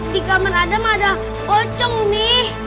di kamar adam ada pocong mami